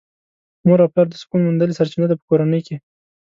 مور او پلار د سکون موندلې سرچينه ده په کورنۍ کې .